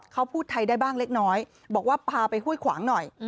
เขาพูดไทยได้บ้างเล็กน้อยบอกว่าพาไปห้วยขวางหน่อย